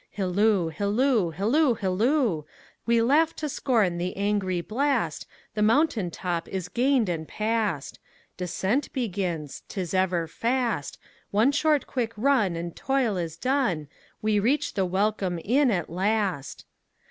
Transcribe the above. Hilloo, hilloo, hilloo, hilloo! We laugh to scorn the angry blast, The mountain top is gained and past. Descent begins, 't is ever fast—One short quick run, and toil is done, We reach the welcome inn at last.